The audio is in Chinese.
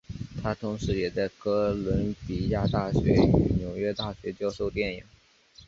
他同时也在哥伦比亚大学与纽约大学教授电影。